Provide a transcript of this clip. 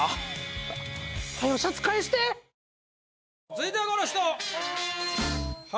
続いてはこの人。